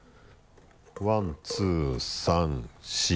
ワンツー３４５。